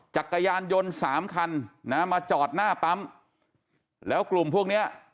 จักรยานยนต์สามคันนะมาจอดหน้าปั๊มแล้วกลุ่มพวกเนี้ย